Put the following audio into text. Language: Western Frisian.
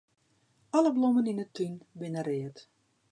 Alle blommen yn 'e tún binne read.